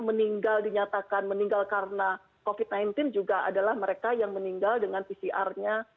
meninggal dinyatakan meninggal karena covid sembilan belas juga adalah mereka yang meninggal dengan pcr nya